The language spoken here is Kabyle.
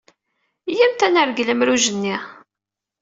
Iyyamt ad nergel amruj-nni.